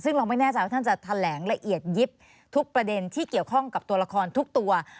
ซึ่งเราไม่แน่ใจว่าท่านจะแถลงละเอียดยิบทุกประเด็นที่เกี่ยวข้องกับตัวละครทุกตัว